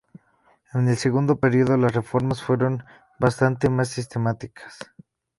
En el segundo período, las reformas fueron bastante más sistemáticas.